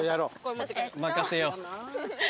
任せよう。